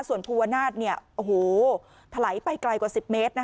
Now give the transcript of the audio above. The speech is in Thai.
ส่วนผู้วนาศน์ทะไหลไปไกลกว่า๑๐เมตร